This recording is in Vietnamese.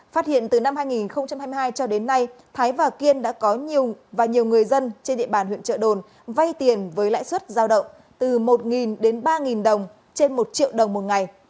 phát hiện từ năm hai nghìn hai mươi hai cho đến nay thái và kiên đã có nhiều và nhiều người dân trên địa bàn huyện trợ đồn vay tiền với lãi suất giao động từ một đến ba đồng trên một triệu đồng một ngày